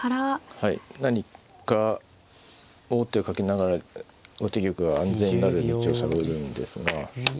はい何か王手をかけながら後手玉が安全になる道を探るんですが。